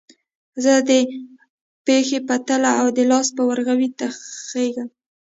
زه د پښې په تله او د لاس په ورغوي تخږم